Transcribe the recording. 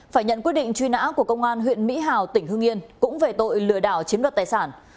phải nhận quyết định truy nã của công an huyện mỹ hào tỉnh hương yên cũng về tội lừa đảo chiếm đoạt tài sản